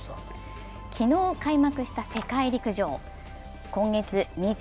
昨日、開幕した世界陸上。